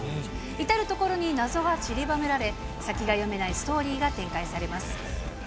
至る所に謎がちりばめられ、先が読めないストーリーが展開されます。